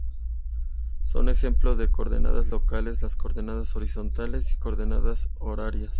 Son ejemplo de coordenadas locales las Coordenadas horizontales y Coordenadas horarias.